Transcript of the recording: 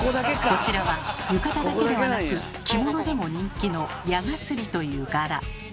こちらは浴衣だけではなく着物でも人気の「矢絣」という柄。